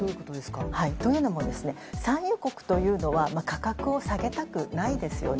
というのも産油国というのは価格を下げたくないですよね。